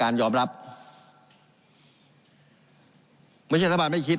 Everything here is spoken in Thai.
การปรับปรุงทางพื้นฐานสนามบิน